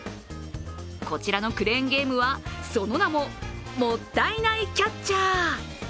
こちらのクレーンゲーム派、その名ももったいないキャッチャー。